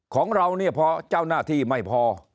ของเราเนี่ยพอเจ้าหน้าที่ไม่พอ